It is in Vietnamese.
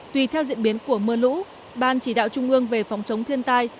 tùy theo diễn biến của mưa lũ ban chỉ đạo trung ương về phòng chống thiên tai